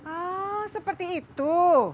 ah seperti itu